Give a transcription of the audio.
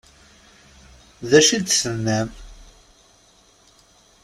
D acu i d-tennam?